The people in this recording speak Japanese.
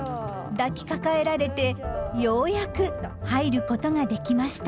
抱きかかえられてようやく入ることができました。